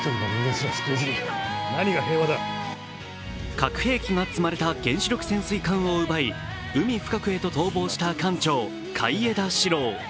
核兵器が積まれた原子力潜水艦を奪い海深くへと逃亡した艦長海江田四郎。